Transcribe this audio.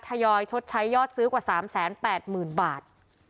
ทยอยชดใช้ยอดซื้อกว่า๓๘๐๐๐บาท